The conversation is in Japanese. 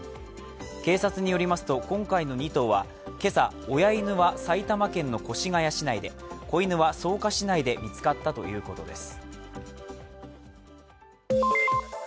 警察によりますと今回の２頭は今朝親犬は埼玉県の越谷市内で、子犬は草加市内で見つかったということです。